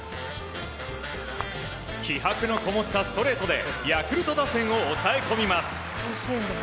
気迫のこもったストレートでヤクルト打線を抑え込みます。